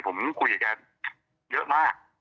ผมคุยกับแกเยอะมาก